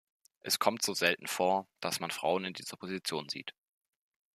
Es kommt so selten vor, dass man Frauen in dieser Position sieht.